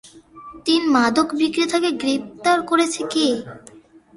তিন মাদক বিক্রেতাকে গ্রেপ্তার করেছে কে?